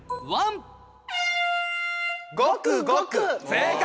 正解！